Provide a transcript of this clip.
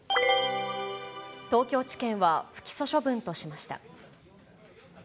東京地検は不起訴処分としました。